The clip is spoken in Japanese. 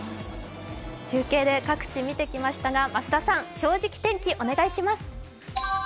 中継で各地見てきましたが増田「正直天気」お願いします。